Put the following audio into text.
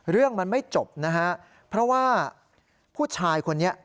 เรื่องมันไม่จบนะฮะเพราะว่าผู้ชายคนนี้